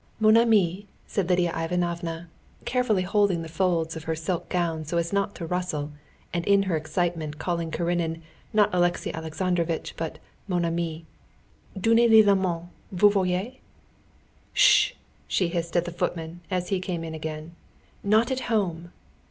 "Mon ami," said Lidia Ivanovna, carefully holding the folds of her silk gown so as not to rustle, and in her excitement calling Karenin not Alexey Alexandrovitch, but "mon ami," "donnez lui la main. Vous voyez? Sh!" she hissed at the footman as he came in again. "Not at home."